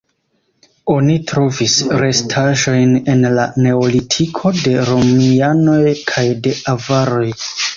Oni trovis restaĵojn el la neolitiko, de romianoj kaj de avaroj.